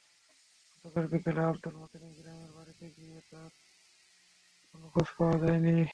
গতকাল বিকেলে আবদুল মতিনের গ্রামের বাড়িতে গিয়ে তাঁর কোনো খোঁজ পাওয়া যায়নি।